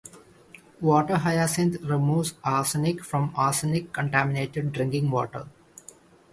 Water hyacinth removes arsenic from arsenic contaminated drinking water.